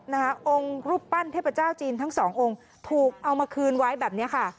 องค์รูปปั้นเทพเจ้าจีนทั้งสององค์ถูกเอามาคืนไว้แบบเนี้ยค่ะ